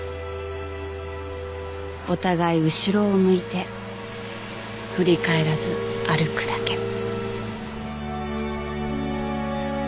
お互い後ろを向いて振り返らず歩くだけ。